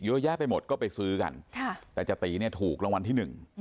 แค่ไปหมดก็ไปซื้อกันแต่จาตีถูกรางวัลที่หนึ่ง